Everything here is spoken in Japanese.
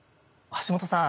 橋本さん